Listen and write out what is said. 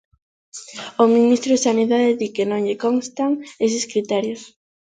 O ministro de Sanidade di que non lle constan eses criterios.